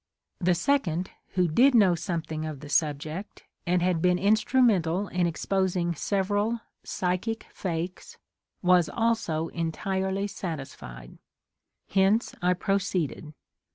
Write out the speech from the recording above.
The second, who did know something of the subject and had been instrumental in exposing several ''psychic" fakes, was also entirely satisfied. Hence I proceeded.